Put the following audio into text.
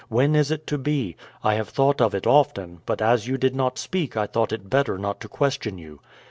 When is it to be? I have thought of it often, but as you did not speak I thought it better not to question you."